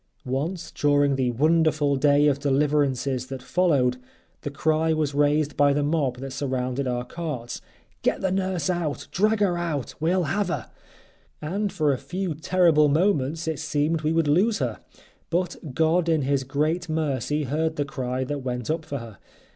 Once, during the wonderful day of deliverances that followed, the cry was raised by the mob that surrounded our carts: "Get the nurse out, drag her out, we will have her!" And for a few terrible moments it seemed we would lose her, but God in His great mercy heard the cry that went up for her.